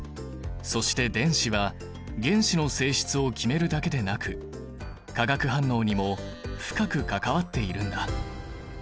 そして電子は原子の性質を決めるだけでなく化学反応にも深く関わっているんだ。